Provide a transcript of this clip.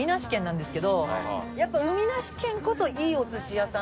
やっぱ海なし県こそいいお寿司屋さん